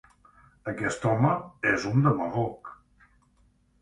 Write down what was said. Aquest home és un demagog.